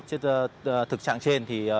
trên thực trạng trên